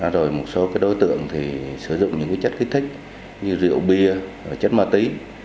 rồi một số đối tượng sử dụng những chất kích thích như rượu bia chất mờ tí